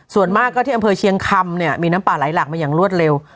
ส่วนมากก็ที่อำเภอเชียงคำเนี่ยมีน้ำป่าไหลหลากมาอย่างรวดเร็ว